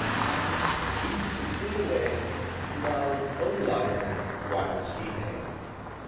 Time, and youthe do flee awaie, Love, Oh! Love then, whiles ye may.